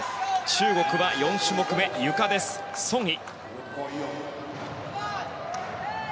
中国は４種目めゆか、ソン・イ。